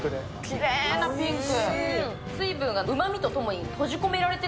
きれいなピンク。